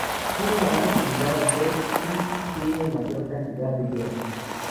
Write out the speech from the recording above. Tiene una masa similar al Sol, y tiene una mayor cantidad de hierro.